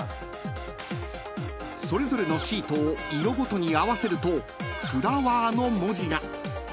［それぞれのシートを色ごとに合わせると「フラワー」の文字が］